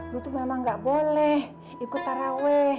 lo tuh memang gak boleh ikut tarawe